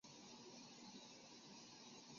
马正秀文革受害者。